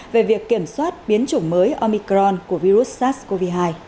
về việc kiểm soát biến chủng mới omicron của virus sars cov hai